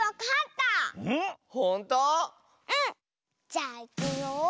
じゃあいくよ。